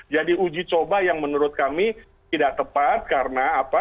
jadi uji coba yang menurut kami tidak tepat karena apa